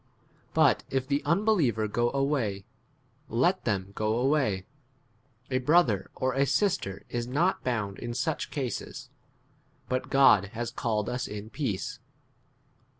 But if the unbeliever go away, let them go away ; a brother or a sister is not bound in such [cases], but God 16 has called us in peace.